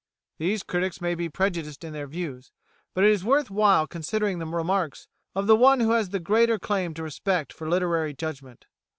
These critics may be prejudiced in their views, but it is worth while considering the remarks of the one who has the greater claim to respect for literary judgment.